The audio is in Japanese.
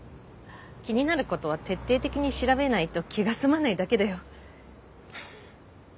気になることは徹底的に調べないと気が済まないだけだよ。